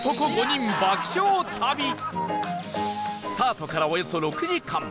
スタートからおよそ６時間